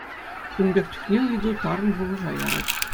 Кун пек чухне ыйту тарӑн шухӑша ярать.